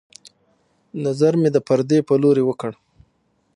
نظر مې د پردې په لورې وکړ